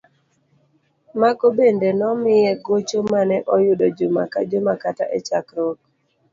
Mago bende nomiye gocho mane oyudo juma ka juma kata e chakruok.